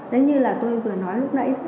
đấy như là tôi vừa nói lúc nãy